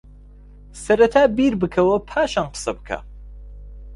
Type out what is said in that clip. سەرەتا بیر بکەوە پاشان قسەبکە